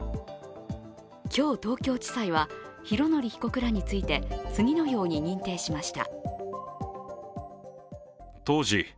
今日、東京地裁は、拡憲被告らについて次のように認定しました。